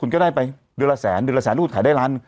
คุณก็ได้ไปเดือนละแสนเดือนละแสนนู่นขายได้ล้าน